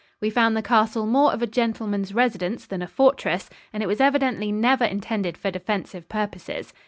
We found the castle more of a gentleman's residence than a fortress, and it was evidently never intended for defensive purposes.